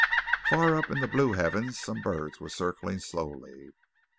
Far up in the blue heavens some birds were circling slowly.